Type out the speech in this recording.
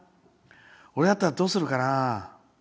俺だったらどうするかな。